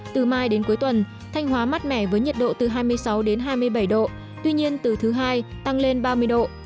từ mai đến cuối tuần thanh hóa mắt mẻ với nhiệt độ từ hai mươi sáu đến hai mươi bảy độ tuy nhiên từ thứ hai tăng lên ba mươi độ